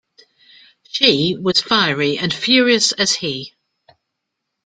She was fiery and furious as he.